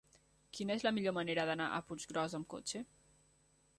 Quina és la millor manera d'anar a Puiggròs amb cotxe?